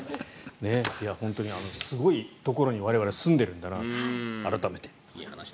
本当にすごいところに我々は住んでいるんだなと改めて。